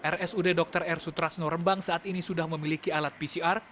rsud dr r sutrasno rembang saat ini sudah memiliki alat pcr